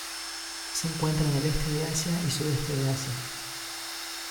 Se encuentra en el Este de Asia y Sudeste de Asia.